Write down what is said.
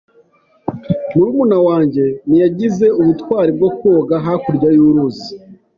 Murumuna wanjye ntiyagize ubutwari bwo koga hakurya y'uruzi.